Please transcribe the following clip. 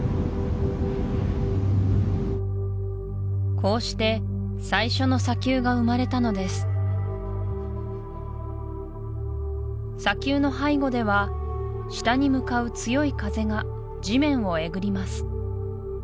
こうして最初の砂丘が生まれたのです砂丘の背後では下に向かう強い風が地面をえぐります